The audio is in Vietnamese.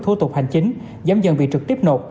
thủ tục hành chính giám dân việc trực tiếp nộp